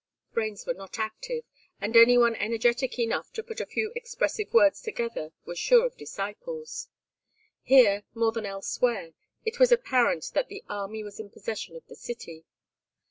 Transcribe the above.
Brains were not active, and any one energetic enough to put a few expressive words together was sure of disciples. Here, more than elsewhere, it was apparent that the army was in possession of the city.